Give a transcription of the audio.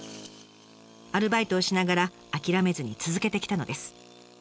アルバイトをしながら諦めずに続けてきたのです。